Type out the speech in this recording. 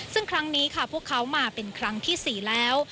ซึ่งครั้งนี้ค่ะพวกเขามาเป็นครั้งที่๔แล้ว